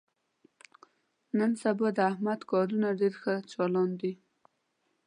نن سبا د احمد کارونه ډېر ښه چالان دي.